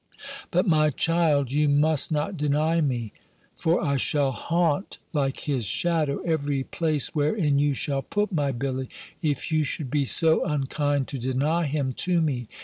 "But my child you must not deny me; for I shall haunt, like his shadow, every place wherein you shall put my Billy, if you should be so unkind to deny him to me!